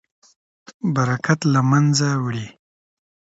برکت له منځه وړي.